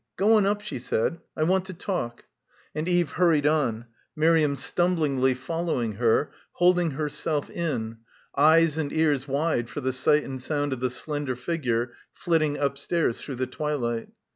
"Go on up," she .said, "I want to talk," and Eve hurried on, Miriam stumblingly following her, holding herself in, eyes and ears wide for the sight and sound of the slender figure flitting upstairs through the twilight.